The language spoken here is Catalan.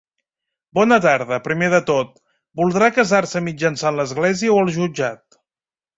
Bona tarda, primer de tot, voldrà casar-se mitjançant l'església o el jutjat?